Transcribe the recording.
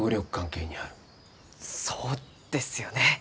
そうですよね。